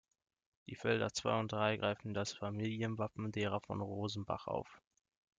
Die Felder zwei und drei greifen das Familienwappen derer von Rosenbach auf.